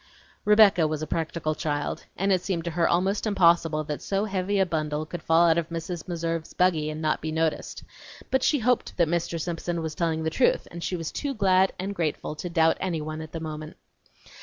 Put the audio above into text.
Rebecca was a practical child, and it seemed to her almost impossible that so heavy a bundle should fall out of Mrs. Meserve's buggy and not be noticed; but she hoped that Mr. Simpson was telling the truth, and she was too glad and grateful to doubt anyone at the moment.